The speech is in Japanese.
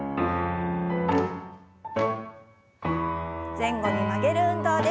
前後に曲げる運動です。